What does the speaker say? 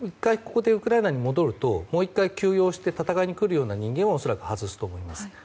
ここでウクライナに戻るともう１回休養して戦いに来るような人間は外すと思います。